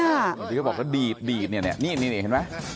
บางทีเขาบอกว่าดีดเนี่ยนี่เห็นไหม